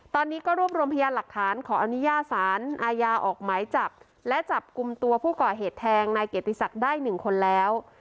ตอนนี้ก็รวบรวมพยานหลักฐานขออนุญาตสารอาญาออกหมายจับและจับกลุ่มตัวผู้ก่อเหตุแทงนายเกียรติศักดิ์ได้หนึ่งคนแล้ว